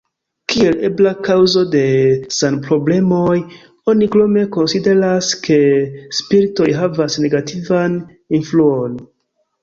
Kiel ebla kaŭzo de sanproblemoj oni krome konsideras ke spiritoj havas negativan influon.